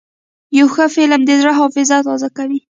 یو ښه فلم د زړه حافظه تازه کوي.